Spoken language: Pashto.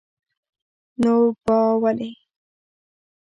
نو با ولي?